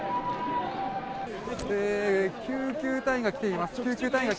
救急隊員が来ています。